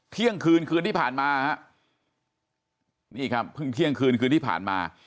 เที่ยงคืนคืนที่ผ่านมาฮะนี่ครับเพิ่งเที่ยงคืนคืนที่ผ่านมา